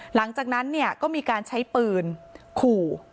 หลังจากนั้นเนี่ยก็มีการใช้ปืนขู่